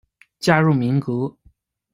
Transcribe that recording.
加入民革。